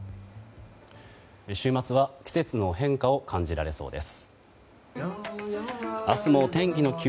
週末は季節の変化を感じられそうです。